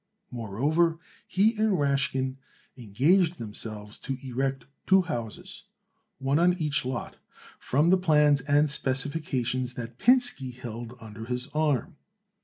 Moreover, he and Rashkin engaged themselves to erect two houses, one on each lot, from the plans and specifications that Pinsky held under his arm.